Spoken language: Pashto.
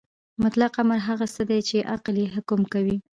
مطلق امر هغه څه دی چې عقل یې حکم کوي.